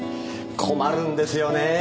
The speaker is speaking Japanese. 困るんですよね